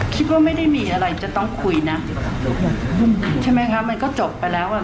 คิดว่าไม่ได้มีอะไรจะต้องคุยนะใช่ไหมคะมันก็จบไปแล้วอ่ะ